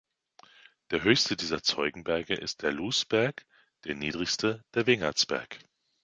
Der höchste dieser Zeugenberge ist der Lousberg, der niedrigste der Wingertsberg.